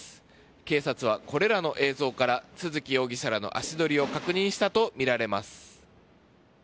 警察は、これらの映像から都築容疑者らの足取りを確認したとみられます。